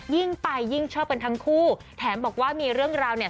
ยิ่งไปยิ่งชอบกันทั้งคู่แถมบอกว่ามีเรื่องราวเนี่ย